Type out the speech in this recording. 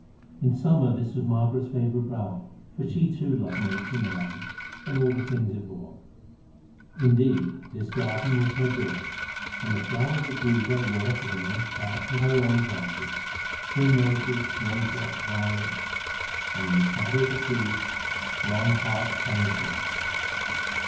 In summer this was Margaret's favourite bower, for she too loved Nature and the land, and all the things it bore. Indeed, this garden was her joy, and the flowers that grew there were for the most part of her own planting—primroses, snowdrops, violets, and, in the shadow of the trees, long hartstongue ferns.